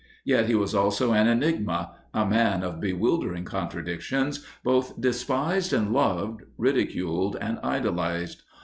Yet he was also an enigma, a man of bewildering contradic tions, both despised and loved, ridiculed and idolized.